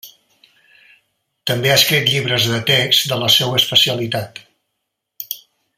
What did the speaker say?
També ha escrit llibres de text de la seua especialitat.